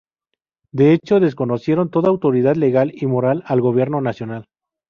De hecho, desconocieron toda autoridad legal y moral al gobierno nacional.